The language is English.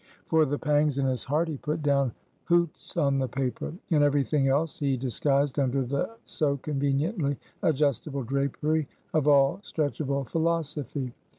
For the pangs in his heart, he put down hoots on the paper. And every thing else he disguised under the so conveniently adjustable drapery of all stretchable Philosophy.